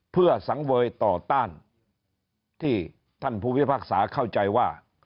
เพื่อสังเวยต่อต้านที่ท่านผู้พิพากษาเข้าใจว่า